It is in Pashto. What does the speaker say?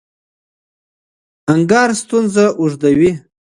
انکار ستونزه اوږدوي.